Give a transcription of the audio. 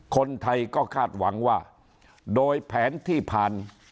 คนไทยก็คาดหวังว่าโดยแผนที่ผ่าน